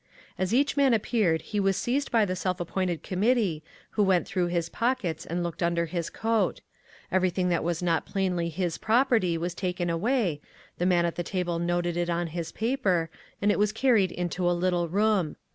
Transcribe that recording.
As each man appeared he was seized by the self appointed committee, who went through his pockets and looked under his coat. Everything that was plainly not his property was taken away, the man at the table noted it on his paper, and it was carried into a little room.